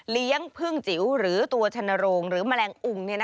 พึ่งจิ๋วหรือตัวชนโรงหรือแมลงอุ่ง